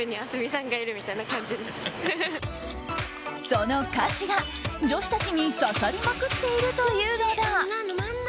その歌詞が女子たちに刺さりまくっているというのだ。